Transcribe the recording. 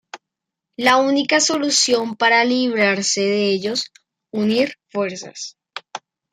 La única solución para librarse de ellos... unir fuerzas.